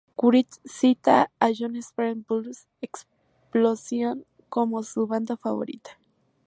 Wright cita a Jon Spencer Blues Explosion como su banda favorita.